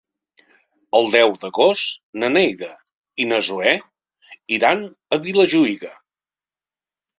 El deu d'agost na Neida i na Zoè iran a Vilajuïga.